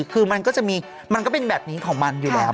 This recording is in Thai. คือมันก็จะมีมันก็เป็นแบบนี้ของมันอยู่แล้ว